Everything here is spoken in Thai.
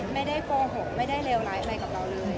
ไม่ได้โกหกไม่ได้เลวร้ายอะไรกับเราเลย